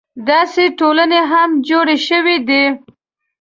داسې ټولنې هم جوړې شوې دي.